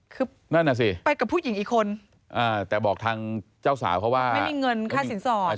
คือไปกับผู้หญิงอีกคนแต่บอกทางเจ้าสาวว่าไม่มีเงินค่าสินสอบ